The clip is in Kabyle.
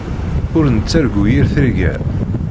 Ur nettargu yir tirga.